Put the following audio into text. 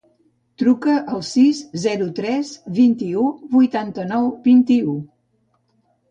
Truca al sis, zero, tres, vint-i-u, vuitanta-nou, vint-i-u.